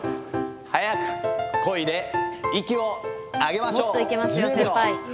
速くこいで息を上げましょう。